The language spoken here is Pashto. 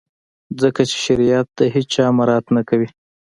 ځکه چي شریعت د هیڅ چا مراعات نه کوي.